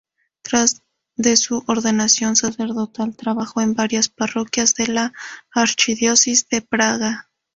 Tras de su ordenación sacerdotal trabajó en varias parroquias de la archidiócesis de Praga.